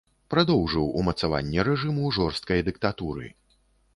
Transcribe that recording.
Прадоўжыў умацаванне рэжыму жорсткай дыктатуры.